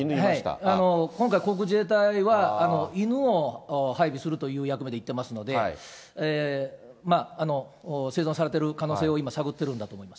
今回、航空自衛隊は犬を配備するという役目で行ってますので、生存されてる可能性を今、探っているんだと思います。